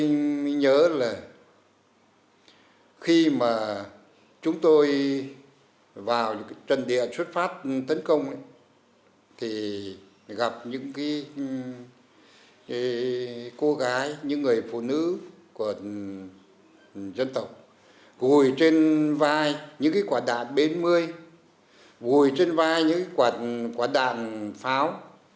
năm một mươi năm trước bộ tư lệnh mặt trận đường chín bắc quảng trị phát lệnh nổ súng chiến dịch tiến công khe xanh thu hút địch ra khỏi các thành phố